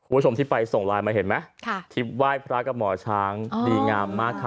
คุณผู้ชมที่ไปส่งไลน์มาเห็นไหมทริปไหว้พระกับหมอช้างดีงามมากค่ะ